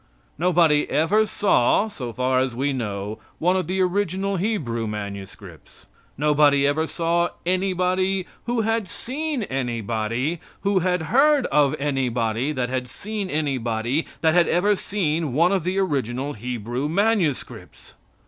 Nobody ever saw, so far as we know, one of the original Hebrew manuscripts. Nobody ever saw anybody who had seen anybody who had heard of anybody that had seen anybody that had ever seen one of the original Hebrew manuscripts.